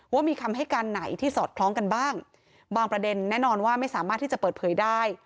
ว่ามีคำให้การไหนที่สอดคล้องกันบ้างบางประเด็นแน่นอนว่าไม่สามารถที่จะเปิดเผยได้